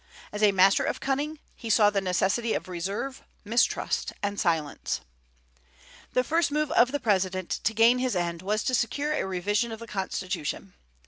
As a master of cunning he saw the necessity of reserve, mistrust, and silence. The first move of the President to gain his end was to secure a revision of the Constitution.